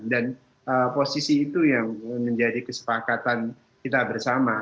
dan posisi itu yang menjadi kesepakatan kita bersama